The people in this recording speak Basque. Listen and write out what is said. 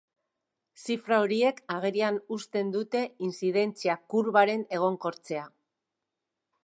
Zifra horiek agerian uzten dute intzidentzia-kurbaren egonkortzea.